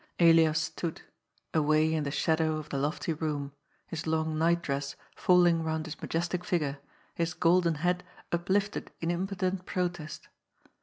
Elias stood, away in the shade of the lofty room, his long nightdress falling round his majestic figure, his golden head uplifted in im potent protest.